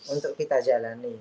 untuk kita jalani